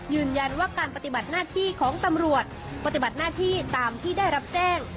ยืนยันว่าการปฏิบัติหน้าที่ของตำรวจปฏิบัติหน้าที่ตามที่ได้รับแจ้ง